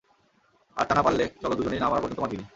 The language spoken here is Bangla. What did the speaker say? আর তা না পারলে চলো দুজনেই না মরা পর্যন্ত মদ গিলি!